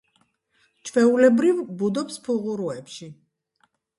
ჩვეულებრივ ბუდობს ფუღუროებში.